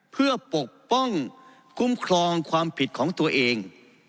เพื่อปกป้องคุ้มครองความผิดของตัวเอง